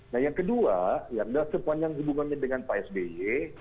nah yang kedua ya sudah sepanjang hubungannya dengan psby